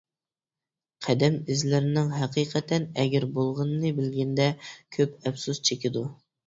قەدەم ئىزلىرىنىڭ ھەقىقەتەن ئەگرى بولغىنىنى بىلگىنىدە كۆپ ئەپسۇس چېكىدۇ.